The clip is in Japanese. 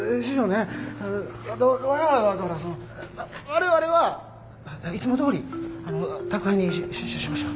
我々はいつもどおり宅配に集中しましょ。